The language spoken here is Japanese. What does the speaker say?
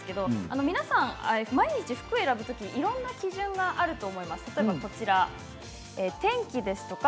皆さんは毎日、服を選ぶときいろんな基準があると思います。